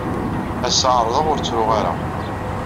Ass-a, ɛerḍeɣ ur ttruɣ ara.